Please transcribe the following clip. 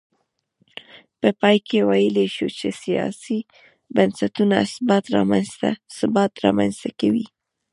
په پای کې ویلای شو چې سیاسي بنسټونه ثبات رامنځته کوي.